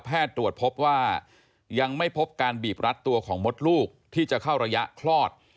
ตรวจพบว่ายังไม่พบการบีบรัดตัวของมดลูกที่จะเข้าระยะคลอด